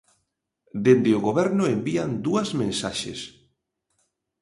Dende o Goberno envían dúas mensaxes.